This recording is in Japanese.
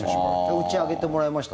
うち上げてもらいました。